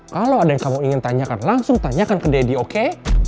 kalau ada yang kamu ingin tanyakan langsung tanyakan ke deddy oke